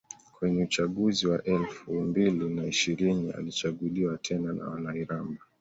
Kwenye uchaguzi wa elfu mbili na ishirini alichaguliwa tena na wana Iramba